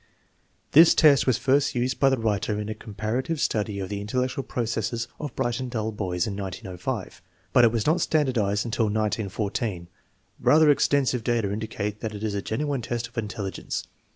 This test was first used by the writer in a comparative study of the intellectual processes of bright and dull boys in 1905, but it was not standardized until 1914. Bather extensive data indicate that it is a genuine test of intelligence.